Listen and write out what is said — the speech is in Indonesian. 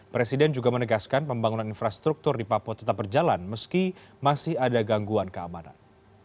presiden juga menegaskan pembangunan infrastruktur di papua tetap berjalan meski masih ada gangguan keamanan